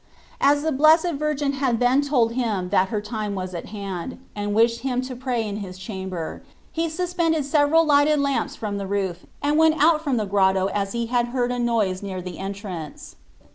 As the Blessed Virgin had then told him that her time was at hand, and wished him to pray in his chamber, he suspended several lighted lamps from the roof and went out from the grotto as he had heard a noise near the entrance.